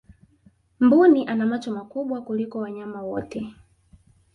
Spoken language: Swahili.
mbuni ana macho makubwa kuliko wanyama wote